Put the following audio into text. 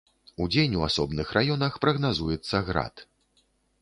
Удзень у асобных раёнах прагназуецца град.